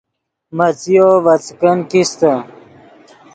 مڅیو ڤے څیکن کیستے